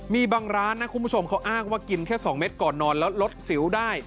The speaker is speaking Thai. มีบางร้านนะคุณผู้ชมเขาอ้างว่ากินแค่๒เม็ดก่อนนอนแล้วลดสิวได้